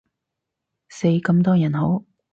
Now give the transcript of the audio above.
死咁多人好？